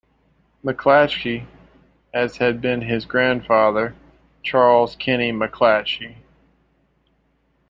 McClatchy, as had been his grandfather, Charles Kenny McClatchy.